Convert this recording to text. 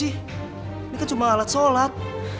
ini kan cuma alat sholat